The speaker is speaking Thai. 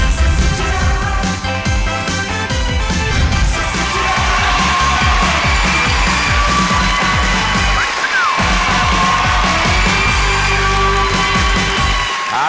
สุดท้าย